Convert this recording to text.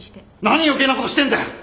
何余計なことしてんだよ！